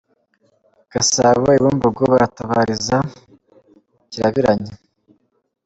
Gasabo I Bumbogo baratabariza Kirabiranya